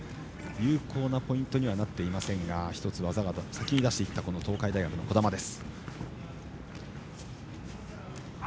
有効なポイントにはなっていませんが１つ、技を先に出していった東海大学の児玉です。